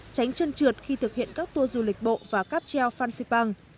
tránh chân trượt khi thực hiện các tour du lịch bộ và cap gel fancy bang